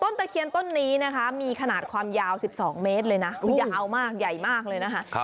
ตะเคียนต้นนี้นะคะมีขนาดความยาว๑๒เมตรเลยนะยาวมากใหญ่มากเลยนะคะ